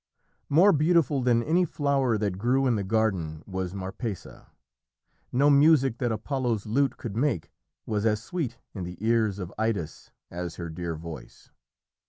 More beautiful than any flower that grew in the garden was Marpessa. No music that Apollo's lute could make was as sweet in the ears of Idas as her dear voice.